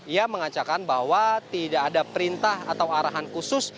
ia mengacakan bahwa tidak ada perintah atau arahan khusus